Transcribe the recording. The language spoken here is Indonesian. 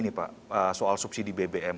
ini pak soal subsidi bbm